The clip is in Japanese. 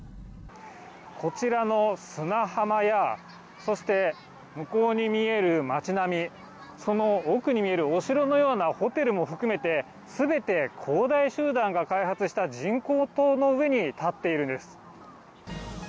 こちらの砂浜や、そして向こうに見える街並み、その奥に見えるお城のようなホテルも含めて、すべて恒大集団が開発した人口島の上に建っているんです。